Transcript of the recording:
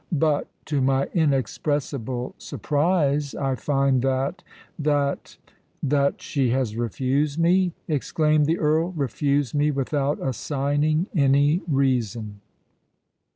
But—to my inexpressible surprise—I find that—that——" "That she has refused me," exclaimed the Earl;—"refused me without assigning any reason."